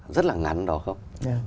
rất là ngắn đó không